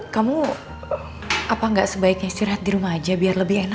kamu apa gak sebaiknya istirahat di rumah aja biar lebih enak